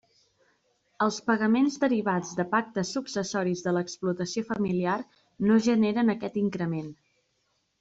Els pagaments derivats de pactes successoris de l'explotació familiar no generen aquest increment.